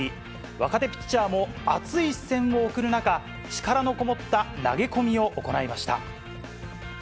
若手ピッチャーも熱い視線を送る中、力の込もった投げ込みを行いました。